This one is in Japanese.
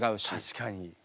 確かに。